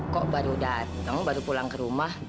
kok baru datang baru pulang ke rumah